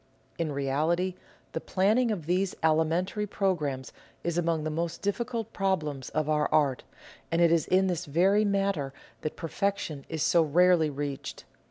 In reality the planning of these alimentary programmes is among the most difficult problems of our art, and it is in this very matter that perfection is so rarely reached.